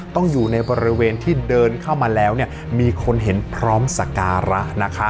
ต้องอยู่ในบริเวณที่เดินเข้ามาแล้วเนี่ยมีคนเห็นพร้อมสการะนะคะ